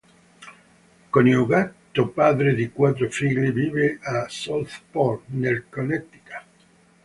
Coniugato, padre di quattro figli, vive a Southport, nel Connecticut.